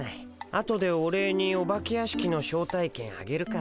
あとでお礼にお化け屋敷の招待券あげるからさハハッ。